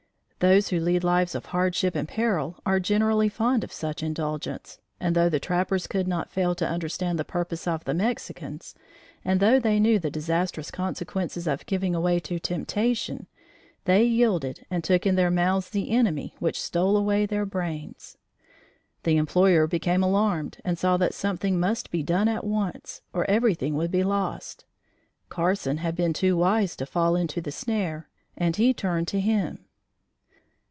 Those who lead lives of hardship and peril are generally fond of such indulgence, and, though the trappers could not fail to understand the purpose of the Mexicans, and though they knew the disastrous consequences of giving away to temptation, they yielded and took in their mouths the enemy which stole away their brains. The employer became alarmed and saw that something must be done at once or everything would be lost. Carson had been too wise to fall into the snare, and he turned to him.